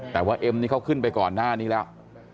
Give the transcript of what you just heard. แต่ว่าเอ็มนี่เขาขึ้นไปก่อนหน้านี้แล้ว